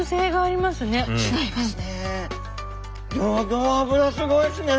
ギョギョ脂すごいですね。